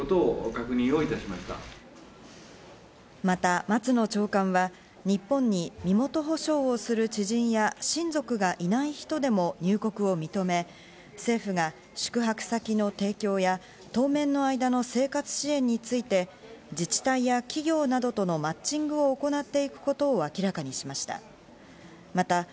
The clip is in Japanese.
また松野長官は、日本に身元を保証をする知人や親族がいない人でも入国を認め、政府が、宿泊先の提供や当面の間の生活支援について自治体や企業などとのマッチングを行っていくことを明らかにしました。